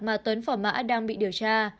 mà tuấn phỏ mã đang bị điều tra